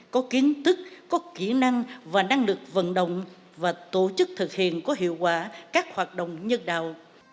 có kiến thức có kỹ năng và năng lực vận động và tổ chức thực hiện có hiệu quả các hoạt động nhân đạo